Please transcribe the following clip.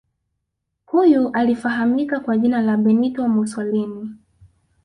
Huyu alifahamika kwa jina la Benito Musolini